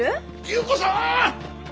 優子さん！